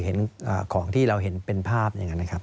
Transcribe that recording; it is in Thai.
เห็นของที่เราเห็นเป็นภาพอย่างนั้นนะครับ